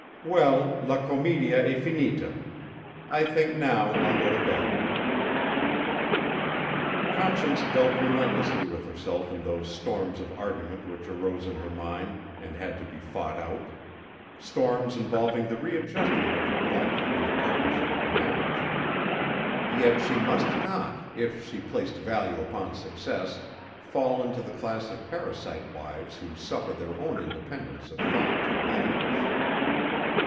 "Well, 'la comedia e finita.' I think now I'll go to bed." Conscience dealt relentlessly with herself in those storms of argument which arose in her mind and had to be fought out; storms involving the readjustment of her life to the partnership of marriage. Yet she must not, if she placed value upon success, fall into the class of parasite wives who suffer their own independence of thought to languish.